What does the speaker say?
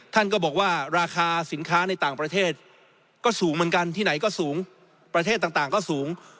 ท่านก็บอกว่าราคาสินค้าในต่างประเทศก็สูงเหมือนกันที่ไหนก็สูงประเทศต่างก็สูง